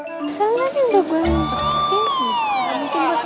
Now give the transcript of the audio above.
bersama yang udah gue nampak